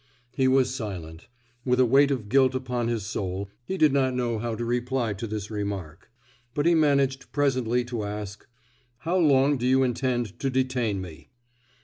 He was silent. With a weight of guilt upon his soul, he did not know how to reply to this remark. But he managed presently to ask: "How long do you intend to detain me?"